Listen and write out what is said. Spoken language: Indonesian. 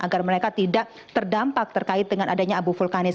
agar mereka tidak terdampak terkait dengan adanya abu vulkanis